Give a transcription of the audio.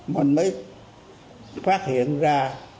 mình mới phát hiện ra